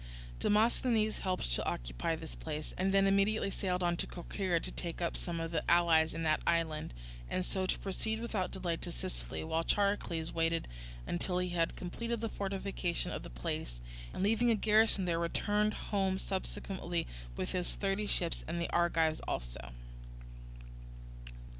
Demosthenes helped to occupy this place, and then immediately sailed on to Corcyra to take up some of the allies in that island, and so to proceed without delay to Sicily; while Charicles waited until he had completed the fortification of the place and, leaving a garrison there, returned home subsequently with his thirty ships and the Argives also.